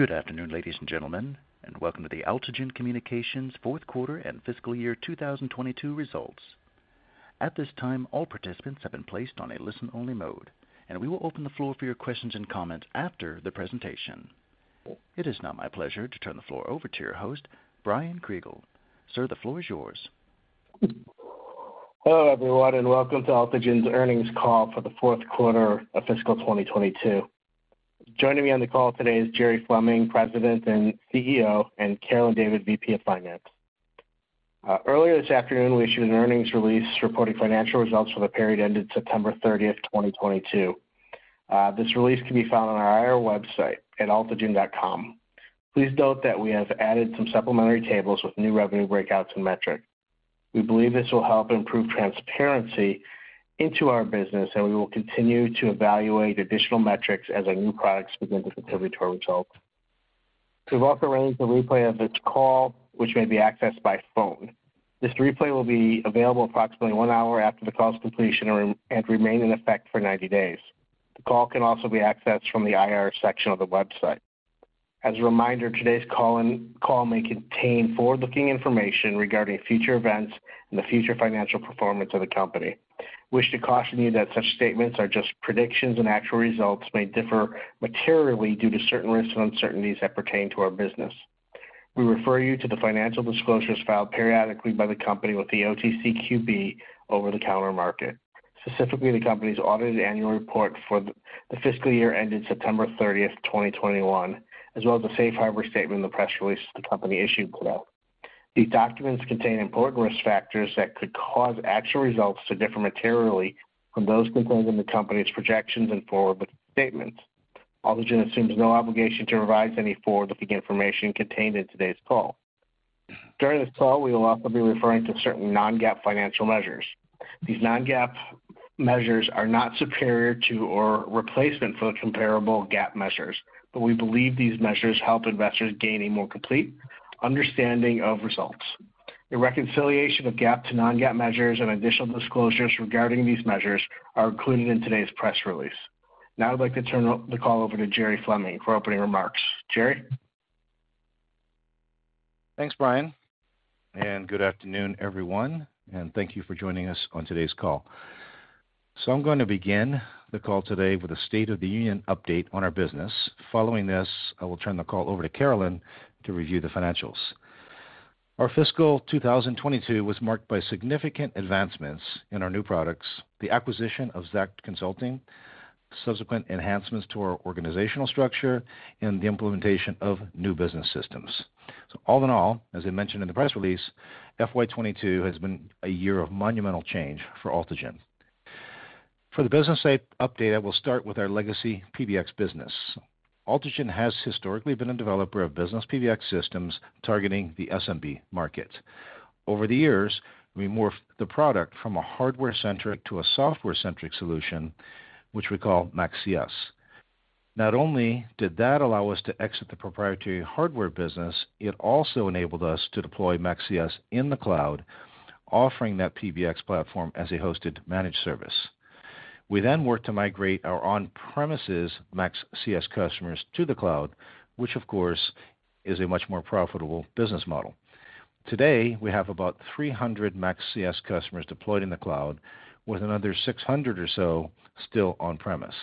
Good afternoon, ladies and gentlemen, and welcome to the Altigen Communications Fourth Quarter and Fiscal Year 2022 Results. At this time, all participants have been placed on a listen-only mode, and we will open the floor for your questions and comments after the presentation. It is now my pleasure to turn the floor over to your host, Brian Siegel. Sir, the floor is yours. Hello, everyone, welcome to Altigen's earnings call for the fourth quarter of fiscal 2022. Joining me on the call today is Jerry Fleming, President and CEO, and Carolyn David, VP of Finance. Earlier this afternoon, we issued an earnings release reporting financial results for the period ended September 30, 2022. This release can be found on our IR website at altigen.com. Please note that we have added some supplementary tables with new revenue breakouts and metrics. We believe this will help improve transparency into our business, we will continue to evaluate additional metrics as our new products begin to contribute to our results. We've also arranged a replay of this call, which may be accessed by phone. This replay will be available approximately one hour after the call's completion and remain in effect for 90 days. The call can also be accessed from the IR section of the website. As a reminder, today's call may contain forward-looking information regarding future events and the future financial performance of the company. We should caution you that such statements are just predictions, actual results may differ materially due to certain risks and uncertainties that pertain to our business. We refer you to the financial disclosures filed periodically by the company with the OTCQB over-the-counter market, specifically the company's audited annual report for the fiscal year ended September 30, 2021, as well as the safe harbor statement in the press release the company issued today. These documents contain important risk factors that could cause actual results to differ materially from those contained in the company's projections and forward-looking statements. Altigen assumes no obligation to revise any forward-looking information contained in today's call. During this call, we will also be referring to certain non-GAAP financial measures. These non-GAAP measures are not superior to or replacement for comparable GAAP measures, but we believe these measures help investors gain a more complete understanding of results. A reconciliation of GAAP to non-GAAP measures and additional disclosures regarding these measures are included in today's press release. I'd like to turn the call over to Jerry Fleming for opening remarks. Jerry? Thanks, Brian, good afternoon, everyone, and thank you for joining us on today's call. I'm gonna begin the call today with a State of the Union update on our business. Following this, I will turn the call over to Carolyn to review the financials. Our fiscal 2022 was marked by significant advancements in our new products, the acquisition of ZAACT Consulting, subsequent enhancements to our organizational structure, and the implementation of new business systems. All in all, as I mentioned in the press release, FY 2022 has been a year of monumental change for Altigen. For the business update, I will start with our legacy PBX business. Altigen has historically been a developer of business PBX systems targeting the SMB market. Over the years, we morphed the product from a hardware-centric to a software-centric solution, which we call MaxCS. Not only did that allow us to exit the proprietary hardware business, it also enabled us to deploy MaxCS in the cloud, offering that PBX platform as a hosted managed service. We worked to migrate our on-premises MaxCS customers to the cloud, which of course is a much more profitable business model. Today, we have about 300 MaxCS customers deployed in the cloud, with another 600 or so still on-premises.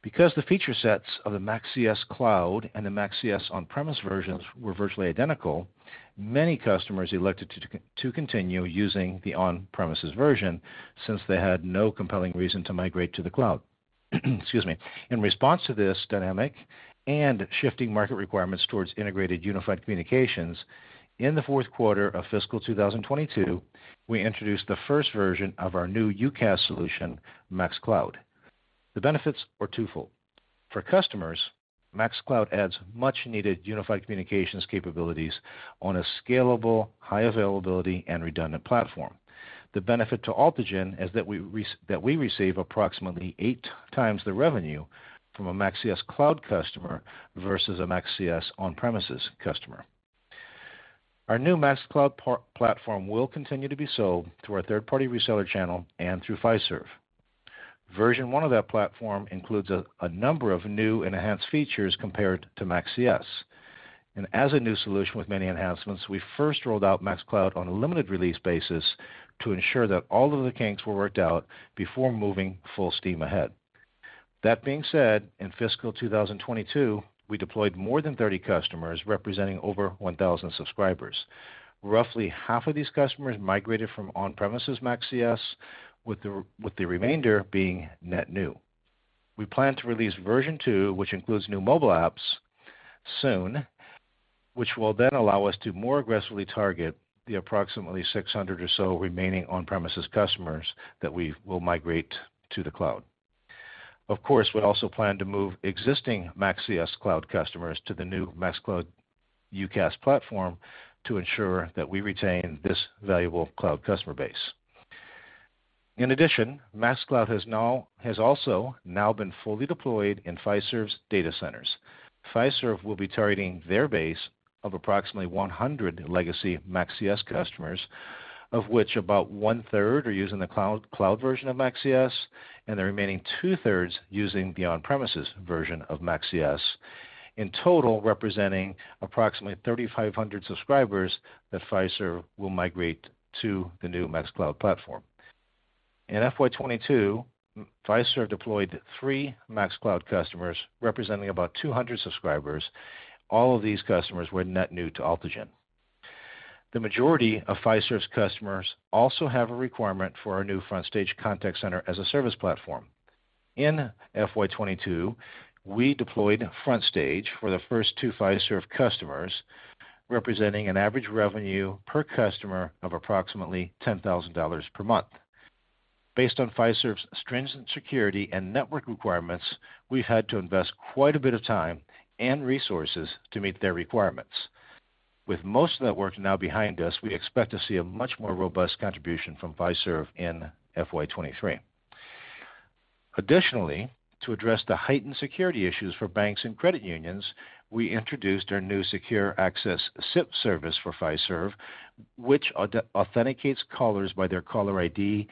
Because the feature sets of the MaxCS cloud and the MaxCS on-premises versions were virtually identical, many customers elected to continue using the on-premises version since they had no compelling reason to migrate to the cloud. Excuse me. In response to this dynamic and shifting market requirements towards integrated unified communications, in the fourth quarter of FY2022, we introduced the first version of our new UCaaS solution, MaxCloud. The benefits were twofold. For customers, MaxCloud adds much-needed unified communications capabilities on a scalable, high availability, and redundant platform. The benefit to Altigen is that we receive approximately 8x the revenue from a MaxCS cloud customer versus a MaxCS on-premises customer. Our new MaxCloud platform will continue to be sold through our third-party reseller channel and through Fiserv. Version one of that platform includes a number of new enhanced features compared to MaxCS. As a new solution with many enhancements, we first rolled out MaxCloud on a limited release basis to ensure that all of the kinks were worked out before moving full steam ahead. That being said, in fiscal 2022, we deployed more than 30 customers, representing over 1,000 subscribers. Roughly half of these customers migrated from on-premises MaxCS with the remainder being net new. We plan to release version two, which includes new mobile apps soon, which will then allow us to more aggressively target the approximately 600 or so remaining on-premises customers that we will migrate to the cloud. We also plan to move existing MaxCS cloud customers to the new MaxCloud UCaaS platform to ensure that we retain this valuable cloud customer base. MaxCloud has also now been fully deployed in Fiserv's data centers. Fiserv will be targeting their base of approximately 100 legacy MaxCS customers. Of which about 1/3 are using the cloud version of MaxCS, and the remaining two-third using the on-premises version of MaxCS, in total representing approximately 3,500 subscribers that Fiserv will migrate to the new MaxCloud platform. In FY 2022, Fiserv deployed 3 MaxCloud customers representing about 200 subscribers. All of these customers were net new to Altigen. The majority of Fiserv's customers also have a requirement for our new FrontStage contact center as a service platform. In FY2022, we deployed FrontStage for the first two Fiserv customers, representing an average revenue per customer of approximately $10,000 per month. Based on Fiserv's stringent security and network requirements, we've had to invest quite a bit of time and resources to meet their requirements. With most of that work now behind us, we expect to see a much more robust contribution from Fiserv in FY2023. Additionally, to address the heightened security issues for banks and credit unions, we introduced our new secure access SIP service for Fiserv, which authenticates callers by their caller ID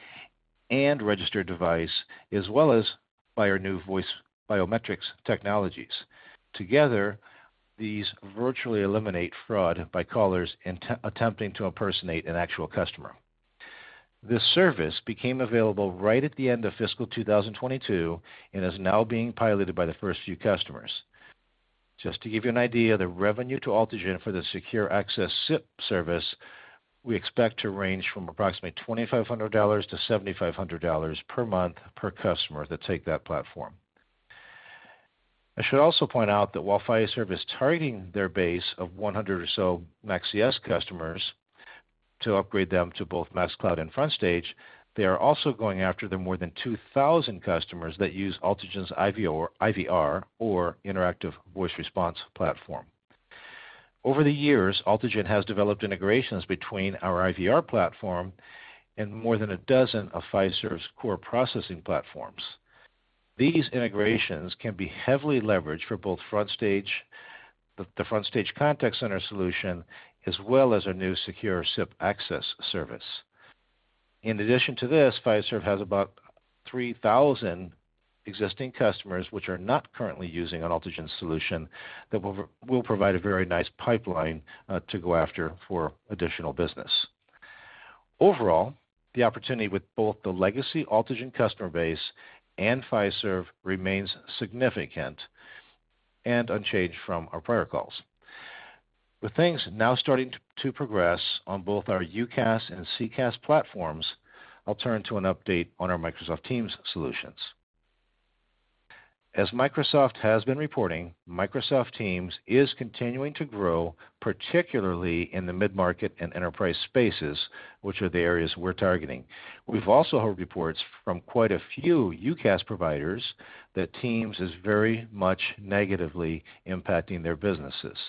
and registered device, as well as by our new voice biometrics technologies. Together, these virtually eliminate fraud by callers attempting to impersonate an actual customer. This service became available right at the end of FY 2022 and is now being piloted by the first few customers. Just to give you an idea, the revenue to Altigen for the Secure Access SIP Trunk service, we expect to range from approximately $2,500-$7,500 per month per customer that take that platform. I should also point out that while Fiserv is targeting their base of 100 or so MaxCS customers to upgrade them to both MaxCloud and FrontStage, they are also going after the more than 2,000 customers that use Altigen's IVR or interactive voice response platform. Over the years, Altigen has developed integrations between our IVR platform and more than a dozen of Fiserv's core processing platforms. These integrations can be heavily leveraged for both FrontStage, the FrontStage contact center solution, as well as our new secure SIP access service. In addition to this, Fiserv has about 3,000 existing customers, which are not currently using an Altigen solution, that will provide a very nice pipeline to go after for additional business. Overall, the opportunity with both the legacy Altigen customer base and Fiserv remains significant and unchanged from our prior calls. With things now starting to progress on both our UCaaS and CCaaS platforms, I'll turn to an update on our Microsoft Teams solutions. As Microsoft has been reporting, Microsoft Teams is continuing to grow, particularly in the mid-market and enterprise spaces, which are the areas we're targeting. We've also heard reports from quite a few UCaaS providers that Teams is very much negatively impacting their businesses.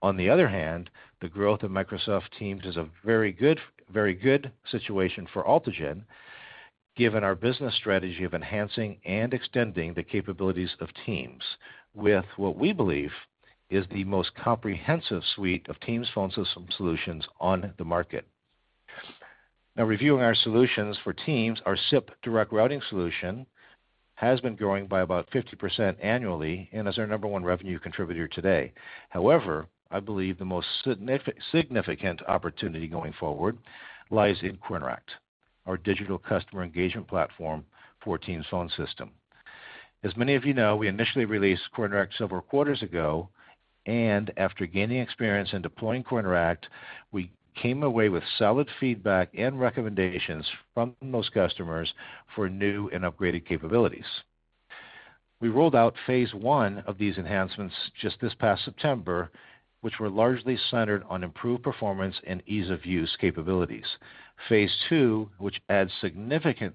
On the other hand, the growth of Microsoft Teams is a very good situation for Altigen, given our business strategy of enhancing and extending the capabilities of Teams with what we believe is the most comprehensive suite of Teams phone system solutions on the market. Now reviewing our solutions for Teams, our SIP Direct Routing solution has been growing by about 50% annually and is our number one revenue contributor today. However, I believe the most significant opportunity going forward lies in CoreInteract, our digital customer engagement platform for Teams phone system. As many of you know, we initially released CoreInteract several quarters ago, and after gaining experience in deploying CoreInteract, we came away with solid feedback and recommendations from those customers for new and upgraded capabilities. We rolled out phase one of these enhancements just this past September, which were largely centered on improved performance and ease-of-use capabilities. Phase two, which adds significant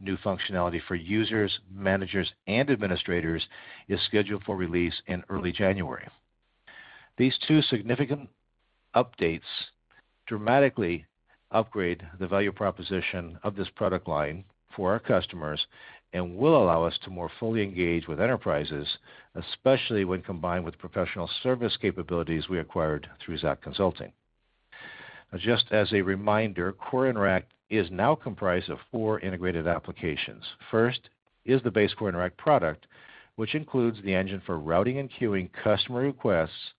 new functionality for users, managers, and administrators, is scheduled for release in early January. These two significant updates dramatically upgrade the value proposition of this product line for our customers and will allow us to more fully engage with enterprises, especially when combined with professional service capabilities we acquired through ZAACT Consulting. Just as a reminder, CoreInteract is now comprised of four integrated applications. First is the base CoreInteract product, which includes the engine for routing and queuing customer requests,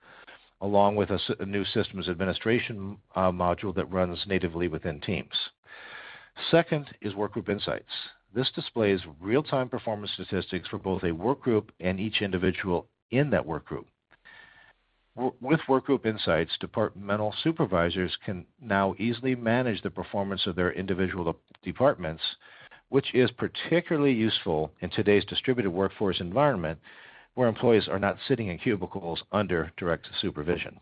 along with a new systems administration module that runs natively within Teams. Second is Workgroup Insights. This displays real-time performance statistics for both a work group and each individual in that work group. With Workgroup Insights, departmental supervisors can now easily manage the performance of their individual departments, which is particularly useful in today's distributed workforce environment, where employees are not sitting in cubicles under direct supervision.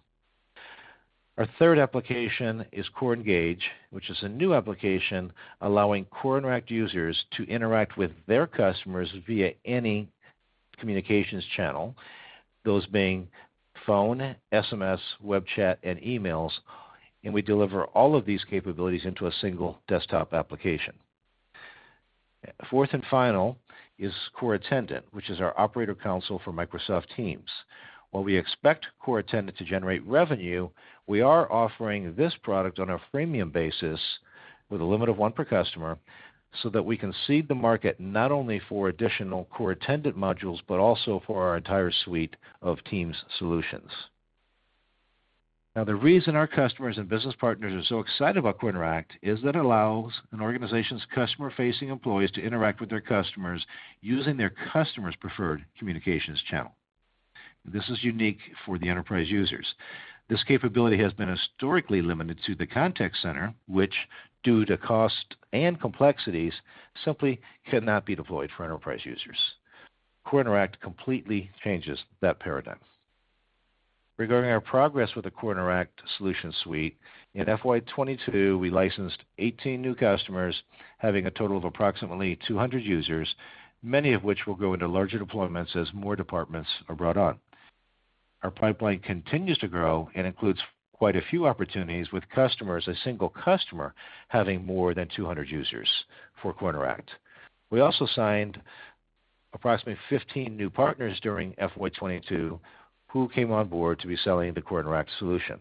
Our third application is CoreEngage, which is a new application allowing CoreInteract users to interact with their customers via any communications channel, those being phone, SMS, web chat, and emails, and we deliver all of these capabilities into a single desktop application. Fourth and final is CoreAttendant, which is our operator console for Microsoft Teams. While we expect CoreAttendant to generate revenue, we are offering this product on a freemium basis with a limit of one per customer so that we can seed the market not only for additional CoreAttendant modules, but also for our entire suite of Teams solutions. The reason our customers and business partners are so excited about Core Interact is that it allows an organization's customer-facing employees to interact with their customers using their customer's preferred communications channel. This is unique for the enterprise users. This capability has been historically limited to the contact center, which, due to cost and complexities, simply cannot be deployed for enterprise users. Core Interact completely changes that paradigm. Regarding our progress with the Core Interact solution suite, in FY 2022, we licensed 18 new customers, having a total of approximately 200 users, many of which will go into larger deployments as more departments are brought on. Our pipeline continues to grow and includes quite a few opportunities with customers, a single customer having more than 200 users for Core Interact. We also signed approximately 15 new partners during FY 2022 who came on board to be selling the CoreInteract solution.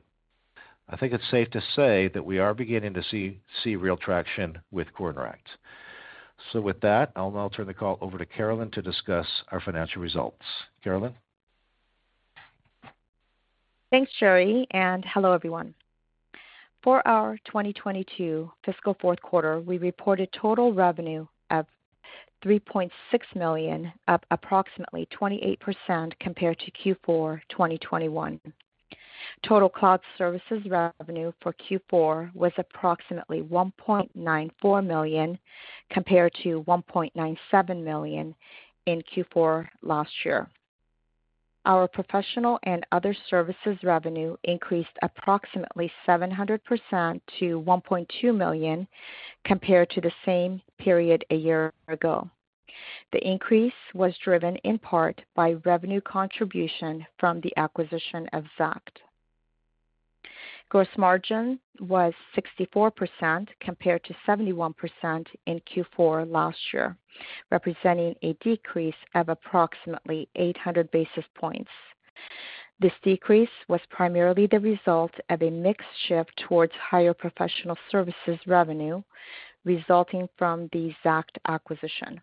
I think it's safe to say that we are beginning to see real traction with CoreInteract. With that, I'll now turn the call over to Carolyn to discuss our financial results. Carolyn? Thanks, Jerry. Hello, everyone. For our 2022 fiscal fourth quarter, we reported total revenue of $3.6 million, up approximately 28% compared to Q4 2021. Total cloud services revenue for Q4 was approximately $1.94 million, compared to $1.97 million in Q4 last year. Our professional and other services revenue increased approximately 700% to $1.2 million compared to the same period a year ago. The increase was driven in part by revenue contribution from the acquisition of ZAACT. Gross margin was 64% compared to 71% in Q4 last year, representing a decrease of approximately 800 basis points. This decrease was primarily the result of a mix shift towards higher professional services revenue resulting from the ZAACT acquisition.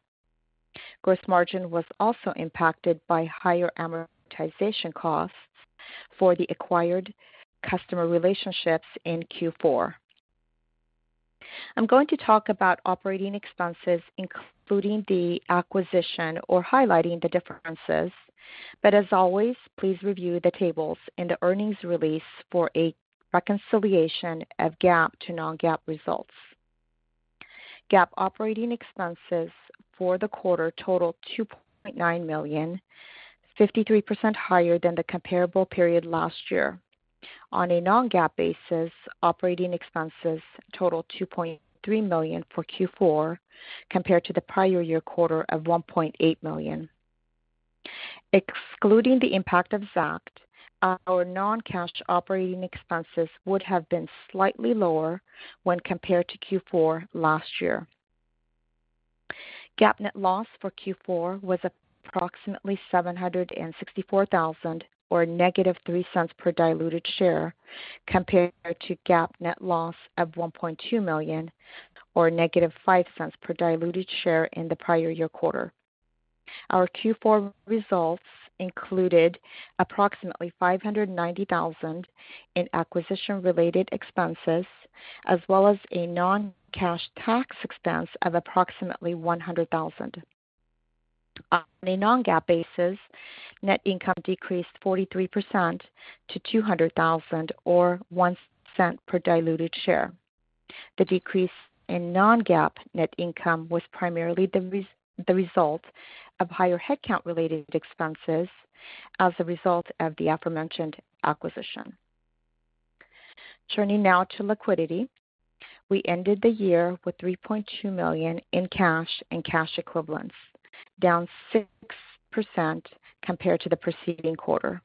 Gross margin was also impacted by higher amortization costs for the acquired customer relationships in Q4. I'm going to talk about operating expenses, including the acquisition or highlighting the differences. As always, please review the tables in the earnings release for a reconciliation of GAAP to non-GAAP results. GAAP operating expenses for the quarter totaled $2.9 million, 53% higher than the comparable period last year. On a non-GAAP basis, operating expenses totaled $2.3 million for Q4 compared to the prior year quarter of $1.8 million. Excluding the impact of ZAACT, our non-cash operating expenses would have been slightly lower when compared to Q4 last year. GAAP net loss for Q4 was approximately $764,000, or -$0.03 per diluted share, compared to GAAP net loss of $1.2 million or -$0.05 per diluted share in the prior year quarter. Our Q4 results included approximately $590,000 in acquisition-related expenses, as well as a non-cash tax expense of approximately $100,000. On a non-GAAP basis, net income decreased 43% to $200,000 or $0.01 per diluted share. The decrease in non-GAAP net income was primarily the result of higher headcount-related expenses as a result of the aforementioned acquisition. Turning now to liquidity. We ended the year with $3.2 million in cash and cash equivalents, down 6% compared to the preceding quarter.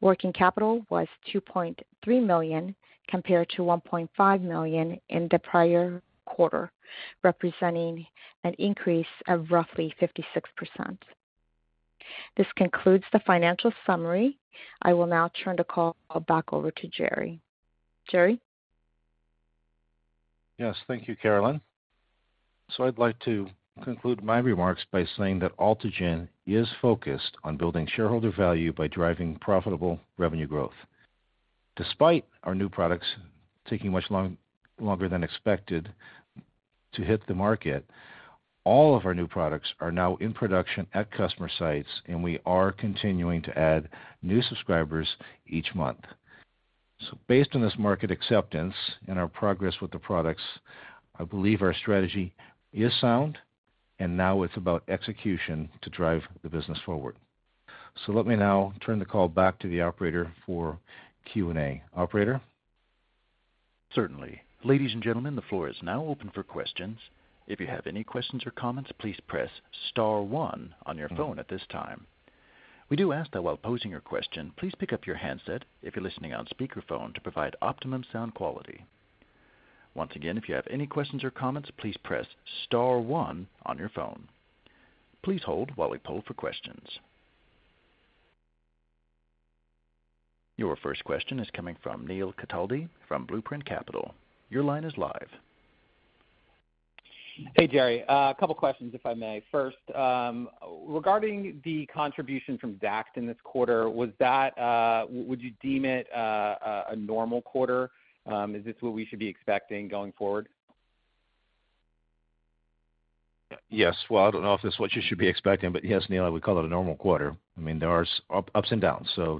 Working capital was $2.3 million compared to $1.5 million in the prior quarter, representing an increase of roughly 56%. This concludes the financial summary. I will now turn the call back over to Jerry. Jerry? Yes, thank you, Carolyn. I'd like to conclude my remarks by saying that Altigen is focused on building shareholder value by driving profitable revenue growth. Despite our new products taking much longer than expected to hit the market, all of our new products are now in production at customer sites, we are continuing to add new subscribers each month. Based on this market acceptance and our progress with the products, I believe our strategy is sound now it's about execution to drive the business forward. Let me now turn the call back to the operator for Q&A. Operator? Certainly. Ladies and gentlemen, the floor is now open for questions. If you have any questions or comments, please press star one on your phone at this time. We do ask that while posing your question, please pick up your handset if you're listening on speakerphone to provide optimum sound quality. Once again, if you have any questions or comments, please press star one on your phone. Please hold while we poll for questions. Your first question is coming from Neil Cataldi from Blueprint Capital. Your line is live. Hey, Jerry. A couple of questions, if I may. First, regarding the contribution from ZAACT in this quarter, was that, would you deem it a normal quarter? Is this what we should be expecting going forward? Yes. Well, I don't know if that's what you should be expecting, but yes, Neil, I would call it a normal quarter. I mean, there are ups and downs, so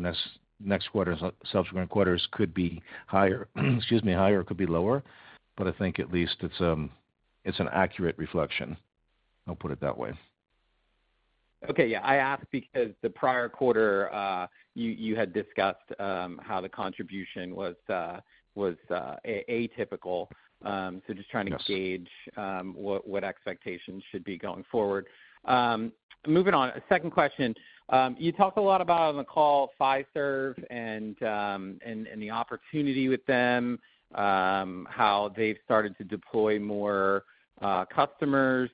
next quarter-- subsequent quarters could be higher. Excuse me. Higher, it could be lower, but I think at least it's an accurate reflection. I'll put it that way— Okay. Yeah. I asked because the prior quarter, you had discussed, how the contribution was atypical. Just trying to. Yes. Gauge, what expectations should be going forward. Moving on. Second question, you talked a lot about on the call Fiserv and the opportunity with them, how they've started to deploy more customers.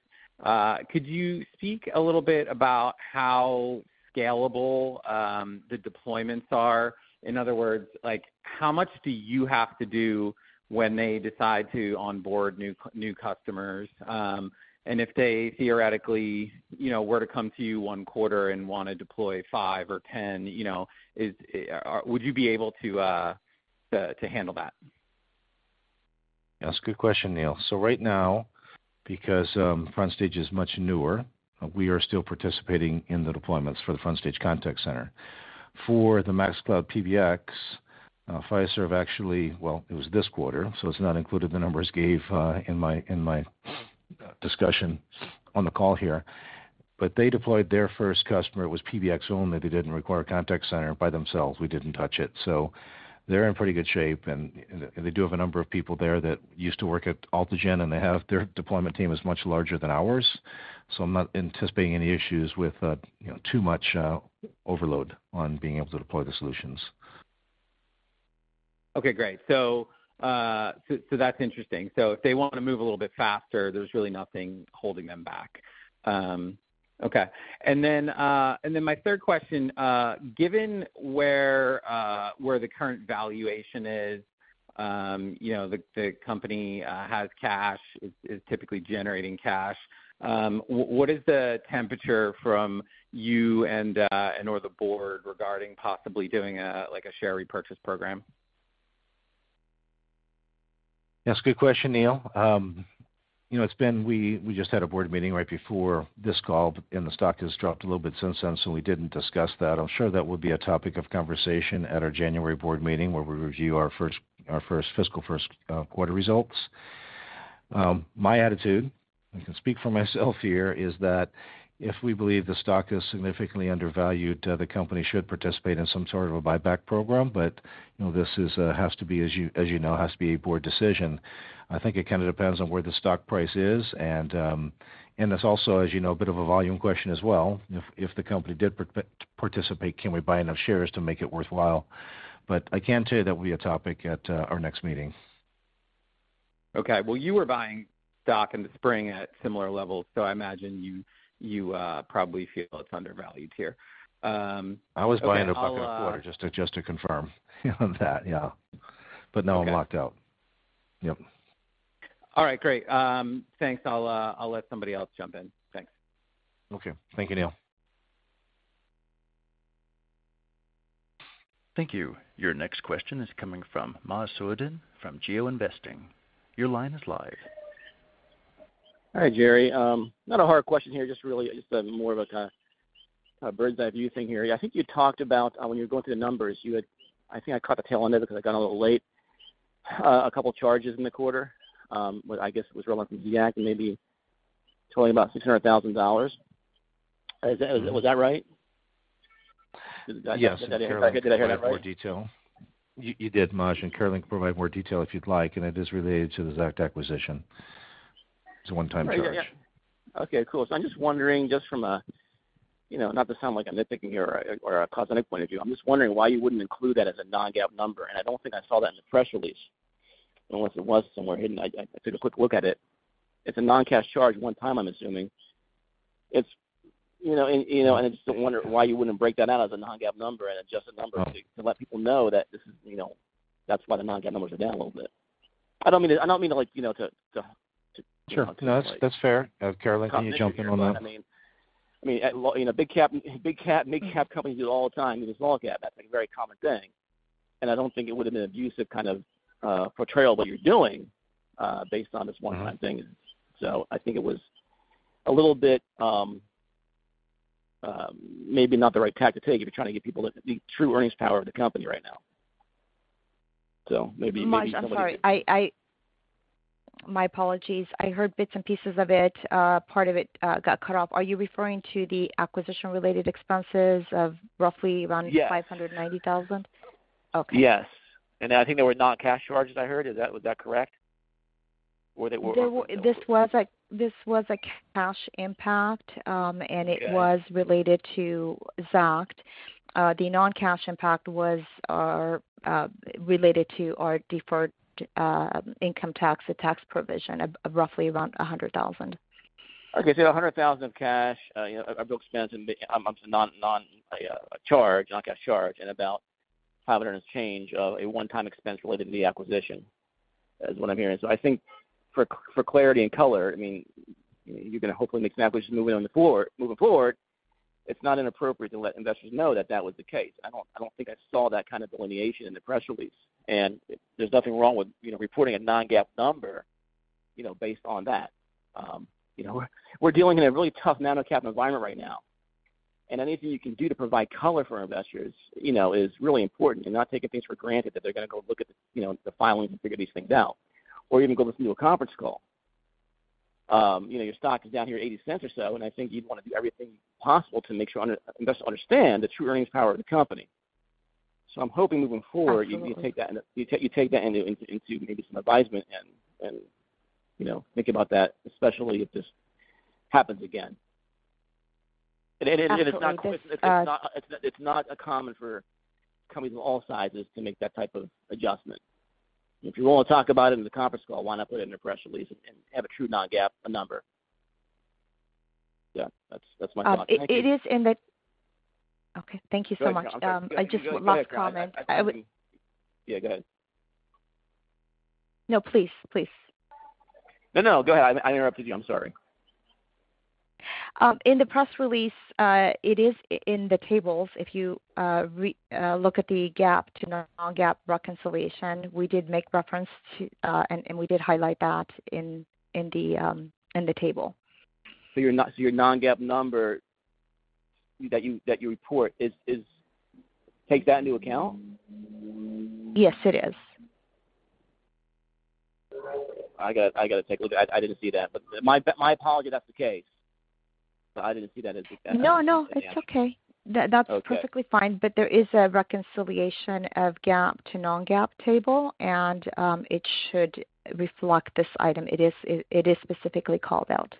Could you speak a little bit about how scalable the deployments are? In other words, like, how much do you have to do when they decide to onboard new customers? If they theoretically, you know, were to come to you one quarter and wanna deploy 5 or 10, you know, would you be able to handle that? That's a good question, Neil. Right now, because FrontStage is much newer, we are still participating in the deployments for the FrontStage contact center. For the MaxCloud PBX, Fiserv, actually. It was this quarter, so it's not included the numbers gave in my discussion on the call here. They deployed their first customer. It was PBX only. They didn't require a contact center by themselves. We didn't touch it. They're in pretty good shape. They do have a number of people there that used to work at Altigen, and their deployment team is much larger than ours, so I'm not anticipating any issues with, you know, too much overload on being able to deploy the solutions. Okay, great. That's interesting. If they wanna move a little bit faster, there's really nothing holding them back. Okay. My third question, given where the current valuation is, you know, the company has cash, is typically generating cash, what is the temperature from you and and/or the board regarding possibly doing, like, a share repurchase program? That's a good question, Neil. you know, We just had a board meeting right before this call, and the stock has dropped a little bit since then, so we didn't discuss that. I'm sure that would be a topic of conversation at our January board meeting where we review our first fiscal first quarter results. My attitude, I can speak for myself here, is that if we believe the stock is significantly undervalued, the company should participate in some sort of a buyback program. you know, this is, has to be as you, as you know, has to be a board decision. I think it kinda depends on where the stock price is. it's also, as you know, a bit of a volume question as well. If the company did participate, can we buy enough shares to make it worthwhile? I can tell you that will be a topic at our next meeting. Well, you were buying stock in the spring at similar levels, so I imagine you probably feel it's undervalued here. Okay. I'll. I was buying into just to confirm that. Yeah. Okay. No, I'm locked out. Yep. All right, great. Thanks. I'll let somebody else jump in. Thanks. Okay. Thank you, Neil. Thank you. Your next question is coming from Maj Soueidan from GeoInvesting. Your line is live. Hi, Jerry. Not a hard question here, just really just a more of a kind of a bird's-eye view thing here. I think you talked about when you were going through the numbers, you had, I think I caught the tail end of it because I got a little late, a couple of charges in the quarter, I guess it was relevant to ZAACT and maybe totaling about $600,000. Was that right? Yes. Did I hear that right? You did, Maj, and Carolyn can provide more detail if you'd like, and it is related to the ZAACT acquisition. It's a one-time charge. Okay, cool. I'm just wondering, just from a, you know, not to sound like I'm nitpicking here or a cosmetic point of view, I'm just wondering why you wouldn't include that as a non-GAAP number. I don't think I saw that in the press release, unless it was somewhere hidden. I took a quick look at it. It's a non-cash charge one time, I'm assuming. It's, you know, you know, I just wonder why you wouldn't break that out as a non-GAAP number and adjust the numbers to let people know that this is, you know, that's why the non-GAAP numbers are down a little bit. I don't mean to like, you know. Sure. No, that's fair. Carolyn, can you jump in on that? I mean, you know, big cap companies do it all the time. In small cap, that's a very common thing. I don't think it would have been abusive kind of portrayal that you're doing based on this one-time thing. I think it was a little bit, maybe not the right tack to take if you're trying to get people the true earnings power of the company right now. Maybe somebody could. Maj, I'm sorry. I. My apologies. I heard bits and pieces of it. part of it, got cut off. Are you referring to the acquisition-related expenses of roughly around $590,000? Yes. Okay. Yes. I think they were non-cash charges, I heard. Was that correct? This was a, this was a cash impact, and it was related to ZAACT. The non-cash impact was related to our deferred income tax, the tax provision of roughly around $100,000. Okay. A $100,000 of cash, you know, a book expense and a non-cash charge and about $500 as change, a one-time expense related to the acquisition, is what I'm hearing. I think for clarity and color, I mean, you're gonna hopefully make snap purchases moving forward. It's not inappropriate to let investors know that that was the case. I don't think I saw that kind of delineation in the press release. There's nothing wrong with, you know, reporting a non-GAAP number, you know, based on that. You know, we're dealing in a really tough nano-cap environment right now, and anything you can do to provide color for investors, you know, is really important and not taking things for granted that they're gonna go look at, you know, the filings and figure these things out, or even go listen to a conference call. You know, your stock is down here $0.80 or so, and I think you'd wanna do everything possible to make sure investors understand the true earnings power of the company. I'm hoping moving forward— Absolutely. You take that in a you take that into maybe some advisement and, you know, think about that, especially if this happens again. Absolutely. It's not uncommon for companies of all sizes to make that type of adjustment. If you wanna talk about it in the conference call, why not put it in a press release and have a true non-GAAP number? Yeah. That's my thought. Thank you. It is in the—okay. Thank you so much. Go ahead. No, I'm good. I just one last comment. You go ahead, Carolyn. I would— Yeah, go ahead. No, please. Please. No, no. Go ahead. I interrupted you. I'm sorry. In the press release, it is in the tables. If you look at the GAAP to non-GAAP reconciliation, we did make reference to, and we did highlight that in the table. Your non-GAAP number that you report is—takes that into account? Yes, it is. I gotta take a look at it. I didn't see that. My apology if that's the case. I didn't see that. No, no. It's okay. Okay. That's perfectly fine. There is a reconciliation of GAAP to non-GAAP table, and it should reflect this item. It is specifically called out.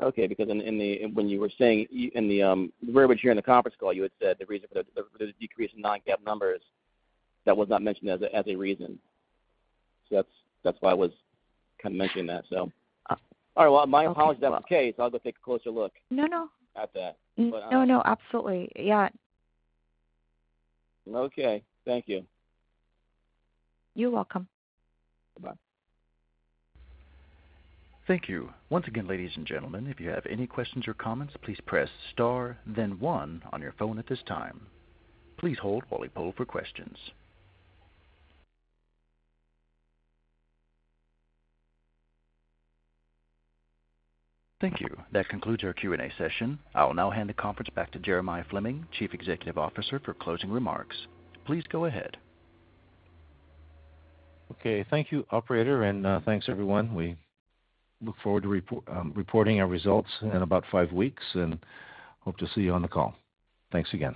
Okay. In, in the—when you were saying in the verbiage here in the conference call, you had said the reason for the decrease in non-GAAP numbers, that was not mentioned as a, as a reason. That's why I was kinda mentioning that so. All right. Well, my apologies if that was the case. I'll go take a closer look. No, no. At that. No, no, absolutely. Yeah. Okay. Thank you. You're welcome. Bye-bye. Thank you. Once again, ladies and gentlemen, if you have any questions or comments, please press star then one on your phone at this time. Please hold while we poll for questions. Thank you. That concludes our Q&A session. I will now hand the conference back to Jeremiah Fleming, Chief Executive Officer, for closing remarks. Please go ahead. Okay. Thank you, operator, and thanks, everyone. We look forward to reporting our results in about five weeks and hope to see you on the call. Thanks again.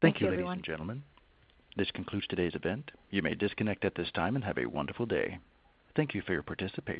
Thank you, ladies and gentlemen. Thanks, everyone. This concludes today's event. You may disconnect at this time, and have a wonderful day. Thank you for your participation.